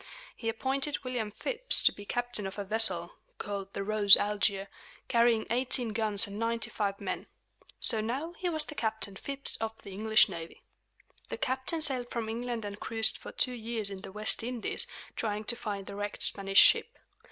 He appointed William Phips to be captain of a vessel, called the Rose Algier, carrying eighteen guns and ninety five men. So now he was Captain Phips of the English navy. The captain sailed from England and cruised for two years in the West Indies, trying to find the wrecked Spanish ship.